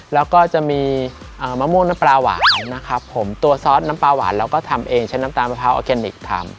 แล้วก็จะมีมะม่วงน้ำปลาหวานนะครับผมตัวซอสน้ำปลาหวานเราก็ทำเองใช้น้ำตาลมะพร้าออร์แกนิคทำ